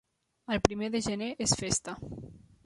El primer de gener és festa.